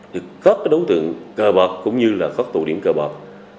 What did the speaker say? khớp đối tượng cờ bạc cũng như là khớp tổ điểm cờ bạc